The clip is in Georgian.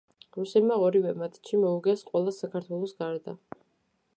რუსებმა ორივე მატჩი მოუგეს ყველას საქართველოს გარდა.